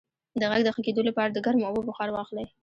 د غږ د ښه کیدو لپاره د ګرمو اوبو بخار واخلئ